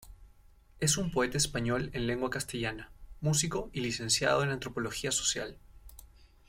Es un poeta español en lengua castellana, músico y licenciado en Antropología Social.